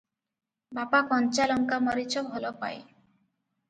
ବାପା କଞ୍ଚା ଲଙ୍କାମରିଚ ଭଲ ପାଏ ।